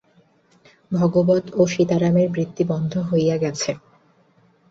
ভাগবত ও সীতারামের বৃত্তি বন্ধ হইয়া গেছে।